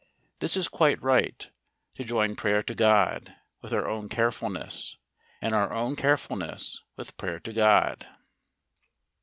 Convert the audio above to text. This is quite right, to join prayer to God, with our own carefulness; and our own careful¬ ness with prayer to God.